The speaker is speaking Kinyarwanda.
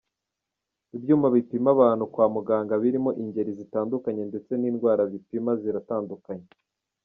Ibyuma bipima abantu kwa muganga birimo ingeri zitandukanye ndetse n’indwara bipima ziratandukanye.